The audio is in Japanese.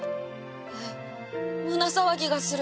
え胸騒ぎがする。